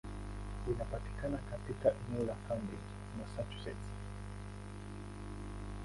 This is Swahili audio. Linapatikana katika eneo la Cambridge, Massachusetts.